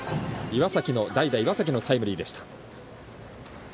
代打、岩崎のタイムリーでした。